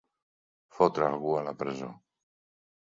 Fotre algú a la presó.